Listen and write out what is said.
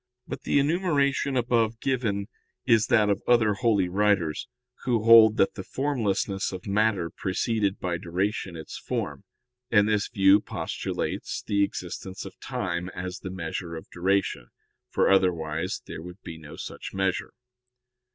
But the enumeration above given is that of other holy writers, who hold that the formlessness of matter preceded by duration its form, and this view postulates the existence of time as the measure of duration: for otherwise there would be no such measure.